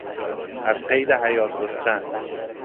از قید حیات رستن